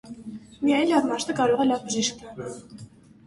Միայն լավ մարդը կարող է լավ բժիշկ լինել։